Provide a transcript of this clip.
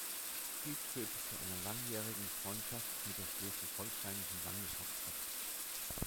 Dies führte zu einer langjährigen Freundschaft mit der schleswig-holsteinischen Landeshauptstadt.